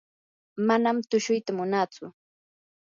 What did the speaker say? manam tushuyta munantsu.